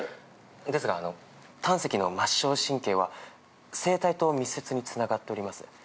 ですが胆石の末しょう神経は声帯と密接につながっております。